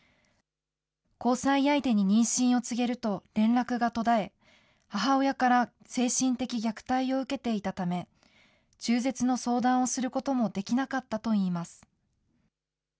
交際相手に妊娠を告げると連絡が途絶え、母親から精神的虐待を受けていたため、中絶の相談をすることもできなかったといいます。